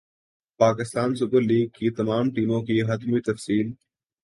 Pakistan super league کی تمام ٹیموں کی حتمی تفصیل